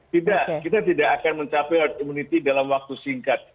tidak kita tidak akan mencapai herd immunity dalam waktu singkat